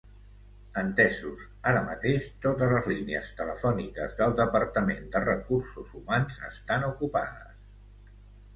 Entesos, ara mateix totes les línies telefòniques del departament de recursos humans estan ocupades.